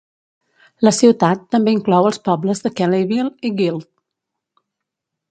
La ciutat també inclou els pobles de Kelleyville i Guild.